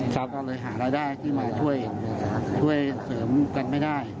ช่วยเสริมกันไม่ได้